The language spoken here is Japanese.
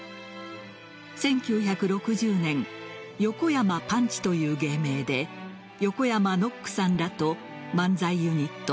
１９６０年横山パンチという芸名で横山ノックさんらと漫才ユニット